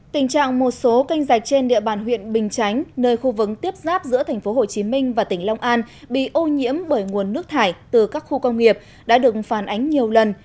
tình trạng một số canh rạch trên địa bàn huyện bình chánh nơi khu vấn tiếp giáp giữa thành phố hồ chí minh và tỉnh long an bị ô nhiễm bởi nguồn nước thải từ các khu công nghiệp đã được phản ánh nhiều lần